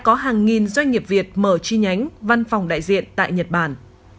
có hàng nghìn doanh nghiệp việt mở chi nhánh văn phòng đại diện tại nhật bản